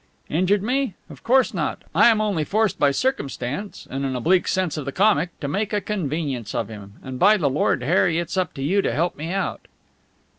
"Injured me? Of course not! I am only forced by circumstance and an oblique sense of the comic to make a convenience of him. And by the Lord Harry, it's up to you to help me out!"